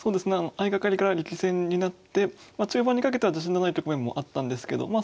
相掛かりから力戦になって中盤にかけては自信のない局面もあったんですけどまあ